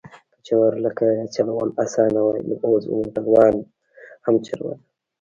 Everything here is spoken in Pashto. که چورلکه چلول اسانه وای نو اوس به موټروان هم چلوله.